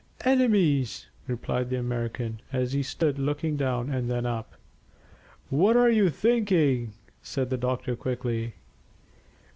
"Enemies," replied the American, as he stood looking down and then up. "What are you thinking?" said the doctor quickly.